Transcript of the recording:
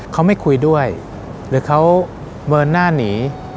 เขาไม่คุยด้วยหรือเขาเบิร์นหน้าหนี